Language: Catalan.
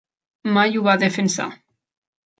Mai ho va defensar.